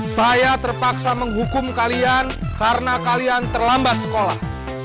saya terpaksa menghukum kalian karena kalian terlambat sekolah